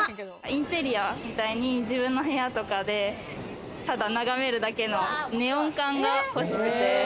インテリアみたいに自分の部屋とかでただ眺めるだけのネオン管が欲しくて。